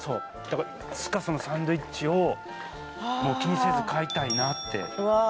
いつかサンドイッチを気にせず買いたいなって。